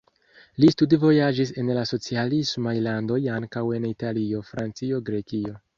Li studvojaĝis en la socialismaj landoj, ankaŭ en Italio, Francio, Grekio.